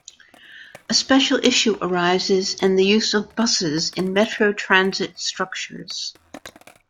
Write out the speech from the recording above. A special issue arises in the use of buses in metro transit structures.